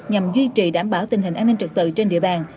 nhằm duy trì đảm bảo tình hình an ninh trực tiếp